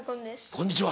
こんにちは。